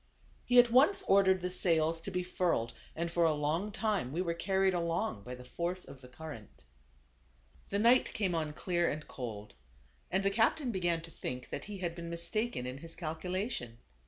He at once ordered the sails to be furled, and for a long time we were carried along by the force of the current. The night came on clear and cold, and the cap tain began to think that he had been mistaken in his calculation.